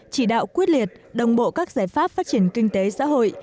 chỉ đạo quyết liệt đồng bộ các giải pháp phát triển kinh tế xã hội